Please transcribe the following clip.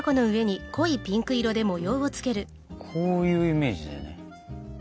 こういうイメージだよね